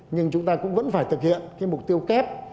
nhưng chúng ta cũng vẫn phải thực hiện cái mục tiêu kép